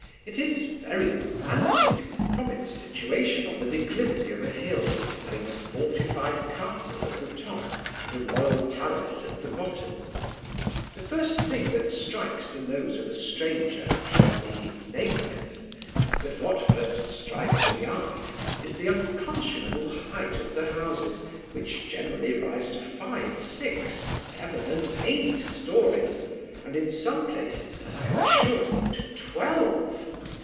It is very romantic, from its situation on the declivity of a hill, having a fortified castle at the top, and a royal palace at the bottom. The first thing that strikes the nose of a stranger, shall be nameless; but what first strikes the eye, is the unconscionable height of the houses, which generally rise to five, six, seven, and eight stories, and, in some places (as I am assured), to twelve.